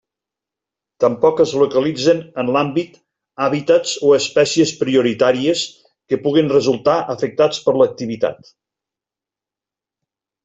Tampoc es localitzen en l'àmbit hàbitats o espècies prioritàries que puguen resultar afectats per l'activitat.